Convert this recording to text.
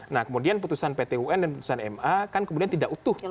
nah kemudian putusan pt un dan putusan ma kan kemudian tidak utuh